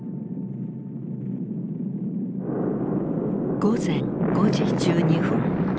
午前５時１２分。